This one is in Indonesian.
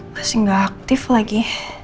masih gak aktif lagi